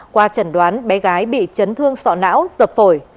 qua chẩn đoán bé gái bị chấn thương sọ não dập phổi